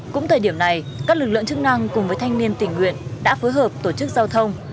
cũng thời điểm này các lực lượng chức năng cùng với thanh niên tình nguyện đã phối hợp tổ chức giao thông